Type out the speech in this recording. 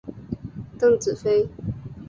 邓紫飞。